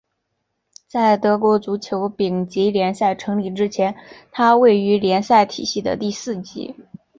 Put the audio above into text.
在德国足球丙级联赛成立之前它位于联赛体系的第四级。